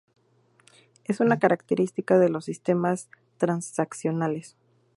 Es una característica de los sistemas transaccionales.